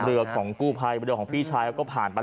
เรือของกู้ภัยเรือของพี่ชายเขาก็ผ่านไป